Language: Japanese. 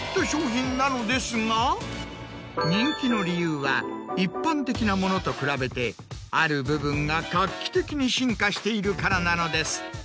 人気の理由は一般的なものと比べてある部分が画期的に進化しているからなのです。